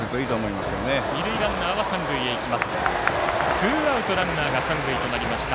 ツーアウトランナー、三塁となりました。